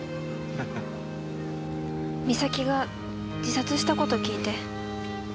美咲が自殺した事聞いて。